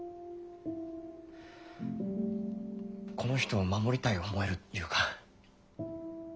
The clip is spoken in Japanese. この人を守りたい思えるいうか。